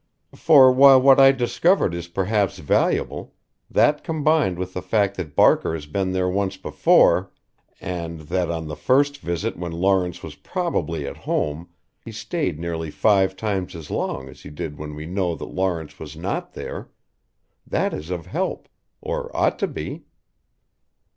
"For while what I discovered is perhaps valuable that combined with the fact that Barker has been there once before: and that on his first visit when Lawrence was probably at home he stayed nearly five times as long as he did when we know that Lawrence was not there that is of help or ought to be."